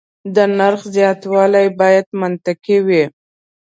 د نرخ زیاتوالی باید منطقي وي.